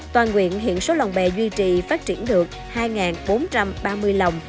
toàn nguyện hiện số lòng bè duy trì phát triển được hai bốn trăm ba mươi lòng